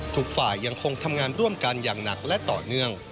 ทุกฝ่ายยังคงทำงานร่วมกันอย่างหนักและต่อเนื่อง